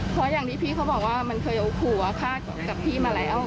เพราะอย่างที่พี่เขาบอกว่ามันเคยเอาผัวฆ่ากับพี่มาแล้ว